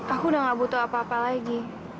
aku udah gak butuh apa apa lagi